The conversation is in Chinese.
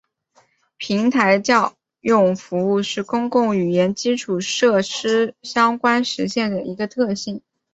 平台叫用服务是公共语言基础设施相关实现的一个特性。